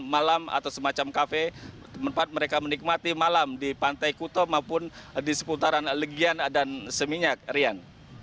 malam atau semacam kafe tempat mereka menikmati malam di pantai kuto maupun di seputaran legian dan seminyak rian